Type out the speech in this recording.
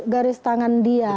garis tangan dia